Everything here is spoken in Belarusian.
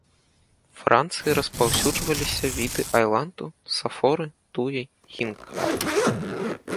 Францыі распаўсюджваліся віды айланту, сафоры, туі, гінкга.